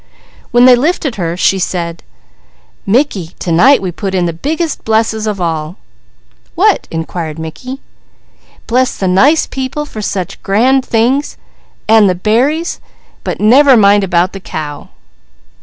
When they lifted her she said: "Mickey, to night we put in the biggest blesses of all." "What?" inquired Mickey. "Bless the nice people for such grand things, an' the berries; but never mind about the cow."